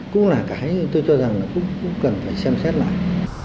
cũng là cái tôi cho rằng là cũng cần phải xem xét lại